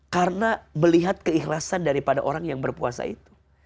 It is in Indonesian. karena melihat keikhlasan daripada orang yang berpuasa itu